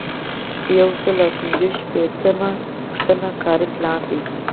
یو سل او پنځه شپیتمه پوښتنه کاري پلان دی.